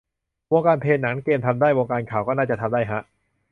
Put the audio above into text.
วงการเพลง หนัง เกมทำได้ วงการข่าวก็น่าจะทำได้ฮะ